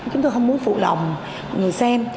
chúng tôi không muốn phụ lòng người xem